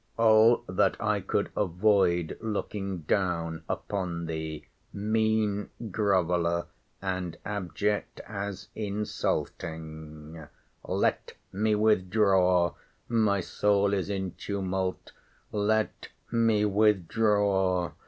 —O that I could avoid looking down upon thee, mean groveler, and abject as insulting—Let me withdraw! My soul is in tumults! Let me withdraw!